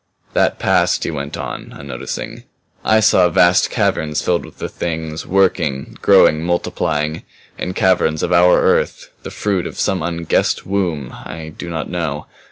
"That passed," he went on, unnoticing. "I saw vast caverns filled with the Things; working, growing, multiplying. In caverns of our Earth the fruit of some unguessed womb? I do not know.